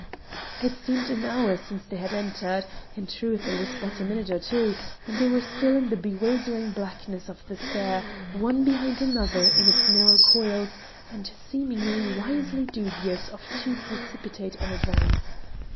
It seemed an hour since they had entered; in truth it was but a minute or two, and they were still in the bewildering blackness of the stair, one behind another in its narrow coils, and seemingly wisely dubious of too precipitate an advance.